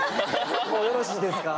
もうよろしいですか？